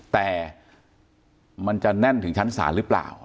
แต่มันจะแน่นถึงชั้นศาลหรือเปล่า